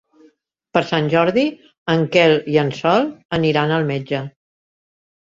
Per Sant Jordi en Quel i en Sol aniran al metge.